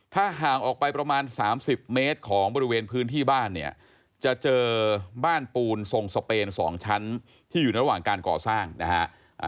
ถ้าห่างออกไปประมาณ๓๐เมตรของบริเวณพื้นที่บ้านเนี่ยจะเจอบ้านปูนทรงสเปน๒ชั้นที่อยู่ระหว่างการก่อสร้างนะฮะ